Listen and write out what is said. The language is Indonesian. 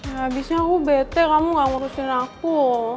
habisnya aku bete kamu gak ngurusin aku